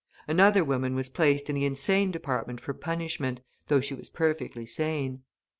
Another woman was placed in the insane department for punishment, though she was perfectly sane.